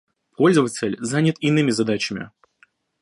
Пользователь занят иными задачами